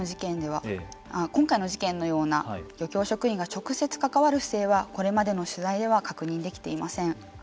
今回の事件のような漁協職員が直接関わる姿勢はこれまでの取材では確認できていません。